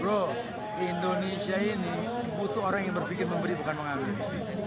loh indonesia ini butuh orang yang berpikir memberi bukan mengambil